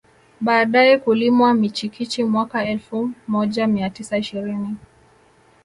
Baadae kulimwa michikichi mwaka elfu moja mia tisa ishirini